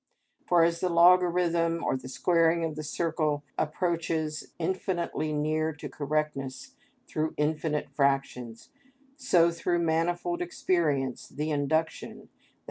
For as the logarithm, or the squaring of the circle, approaches infinitely near to correctness through infinite fractions, so, through manifold experience, the induction, _i.